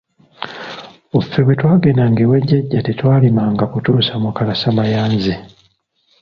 Ffe bwe twagendanga ewa jjaja tetwalimanga kutuusa mu kalasamayanzi.